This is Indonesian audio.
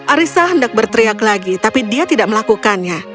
arissa hendak berteriak lagi tapi dia tidak melakukannya